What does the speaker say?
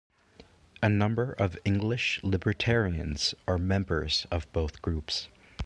A number of English libertarians are members of both groups.